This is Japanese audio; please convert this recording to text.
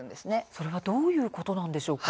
それはどういうことなんでしょうか。